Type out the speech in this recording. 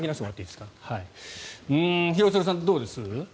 廣津留さん、どうです？